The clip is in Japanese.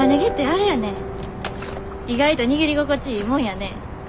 意外と握り心地いいもんやね。